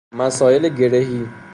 مسایل گرهی